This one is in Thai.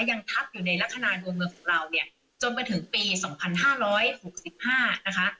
ยังทับอยู่ในลักษณะดวงเมืองของเราเนี่ยจนไปถึงปีสองพันห้าร้อยหกสิบห้านะคะ